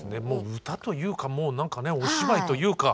歌というかもう何かねお芝居というか。